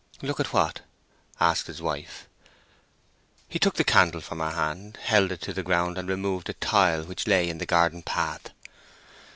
"Look at what?" asked his wife. He took the candle from her hand, held it to the ground, and removed a tile which lay in the garden path.